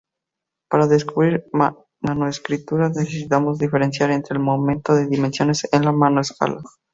Para describir nanoestructuras necesitamos diferenciar entre el número de dimensiones en la nanoescala.